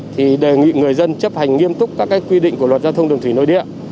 thì đề nghị người dân chấp hành nghiêm túc các quy định của luật giao thông đường thủy nội địa